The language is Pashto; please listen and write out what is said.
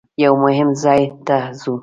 یوه مهم ځای ته ځو.